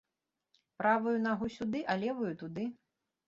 Правую нагу сюды, а левую туды.